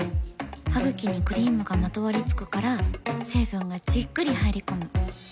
ハグキにクリームがまとわりつくから成分がじっくり入り込む。